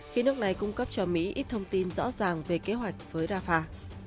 khi nước này cung cấp cho mỹ ít thông tin rõ ràng về kế hoạch với rafah